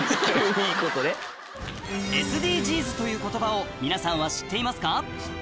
という言葉を皆さんは知っていますか？